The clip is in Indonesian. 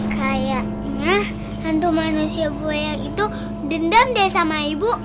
kayaknya hantu manusia gue itu dendam deh sama ibu